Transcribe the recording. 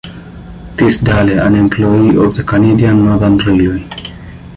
Tisdale, an employee of the Canadian Northern Railway.